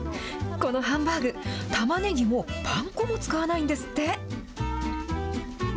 このハンバーグ、たまねぎもパン粉も使わないんですって。